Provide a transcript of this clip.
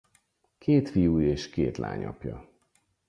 Két fiú és két lány apja.